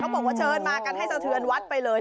บอกว่าเชิญมากันให้สะเทือนวัดไปเลย